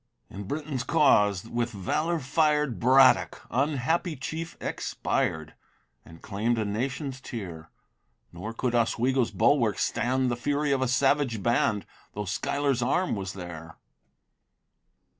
In Britain's cause, with valor fired, Braddock, unhappy chief! expired, And claim'd a nation's tear; Nor could Oswego's bulwarks stand The fury of a savage band, Though Schuyler's arm was there.